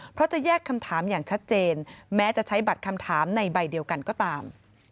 เพราะจะแยกคำถามอย่างชัดเจนแม้จะใช้บัตรคำถามในใบเดียวกันก็ตาม